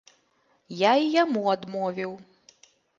Я і яму адмовіў.